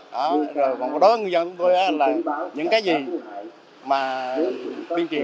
còn đối với người dân tôi là những cái gì mà tuyên truyền